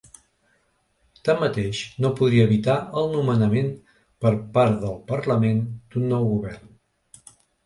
Tanmateix, no podria evitar el nomenament per part del parlament d’un nou govern.